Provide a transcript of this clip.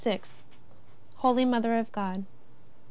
HOLY MOTHER OF GOD.